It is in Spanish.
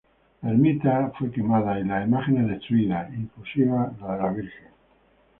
La ermita fue quemada y las imágenes destruidas, inclusive la de la Virgen.